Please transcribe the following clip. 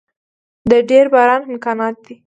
د ډیر باران امکانات دی